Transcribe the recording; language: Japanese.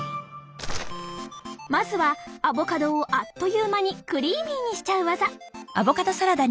まずはアボカドをあっという間にクリーミーにしちゃう技！